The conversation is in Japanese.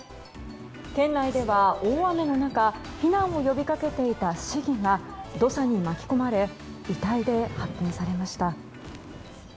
県内では、大雨の中避難を呼びかけていた市議が土砂に巻き込まれ遺体で発見されました。